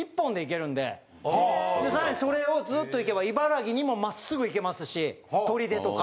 さらにそれをずっと行けば茨城にもまっすぐ行けますし取手とか。